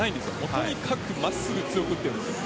とにかく真っすぐ強く打っています。